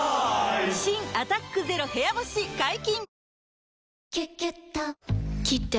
新「アタックＺＥＲＯ部屋干し」解禁‼